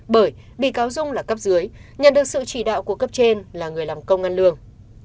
bởi bị cáo dung là cấp dưới nhận được sự chỉ đạo của cấp trên là người làm công ngăn lương